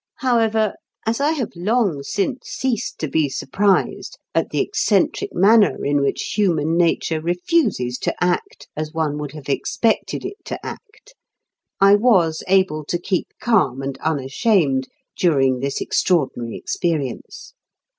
However, as I have long since ceased to be surprised at the eccentric manner in which human nature refuses to act as one would have expected it to act, I was able to keep calm and unashamed during this extraordinary experience.